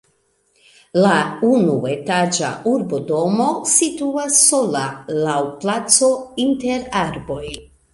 La unuetaĝa urbodomo situas sola laŭ placo inter arboj.